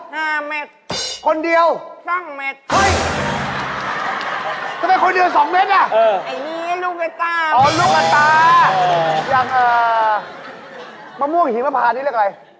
เหรออย่างนี่มากัน๑๐คน